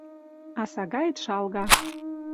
А сагаэт шалга